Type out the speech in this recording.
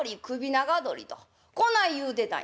長鳥とこない言うてたんや」。